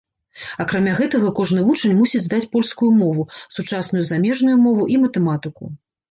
Акрамя гэтага кожны вучань мусіць здаць польскую мову, сучасную замежную мову і матэматыку.